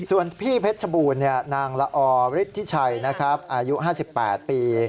ส่วนพี่เพชรบูรณ์นางละอฤทธิชัยอายุ๕๘ปี